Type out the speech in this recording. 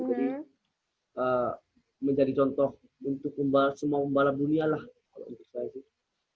jadi menjadi contoh untuk semua pembalap dunia lah kalau untuk saya sih